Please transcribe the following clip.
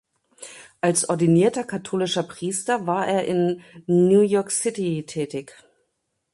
Als ordinierter katholischer Priester war er in New York City tätig.